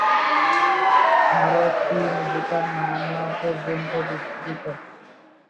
ভারত, চীন, ভুটান, মায়ানমার পর্যন্ত বিস্তৃত।